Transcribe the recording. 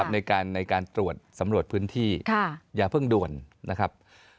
ในการตรวจสำรวจพื้นที่อย่าเพิ่งด่วนนะครับ